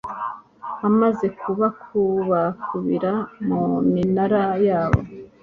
amaze kubakubakubira mu minara yabo